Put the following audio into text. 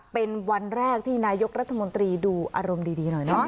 เป็นวันแรกที่นายกรัฐมนตรีดูอารมณ์ดีหน่อยเนาะ